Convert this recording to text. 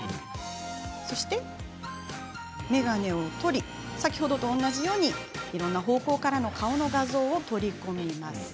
次に眼鏡を取り先ほどと同じようにいろんな方向からの顔の画像を取り込みます。